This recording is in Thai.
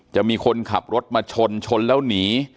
จะมีคนขับรถมาชนชนแล้วหนี